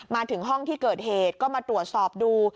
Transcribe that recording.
มาถึงห้องที่เกิดเหตุก็มาตรวจสอบดู